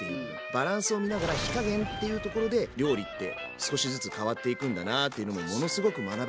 バランスを見ながら火加減っていうところで料理って少しずつ変わっていくんだなっていうのもものすごく学べた。